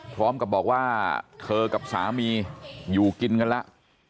พร้อมกับบอกว่าเธอกับสามีอยู่กินกันแล้ว